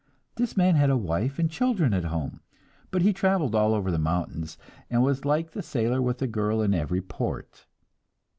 This man had a wife and children at home, but he traveled all over the mountains, and was like the sailor with a girl in every port.